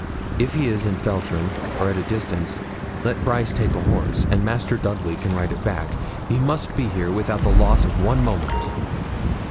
If he is in Feltram, or at a distance, let Brice take a horse, and Master Dudley can ride it back. He must be here without the loss of one moment.'